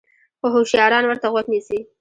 خو هوشیاران ورته غوږ نیسي.